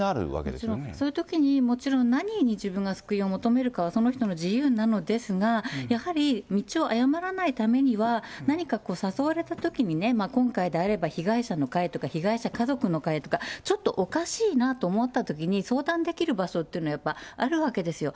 もちろん、そういうときにもちろん何に自分が救いを求めるかはその人の自由なのですが、やはり道を誤らないためには、何か誘われたときにね、今回であれば被害者の会とか、被害者家族の会とか、ちょっとおかしいなと思ったときに、相談できる場所っていうのがやっぱあるわけですよ。